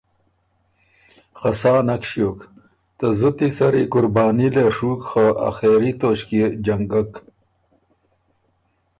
خه سا نک ݭیوک، ته زُتی سری قرباني لې ڒُوک خه آخېري توݭکيې جنګک